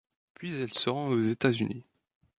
Puis elle se rend aux États-Unis.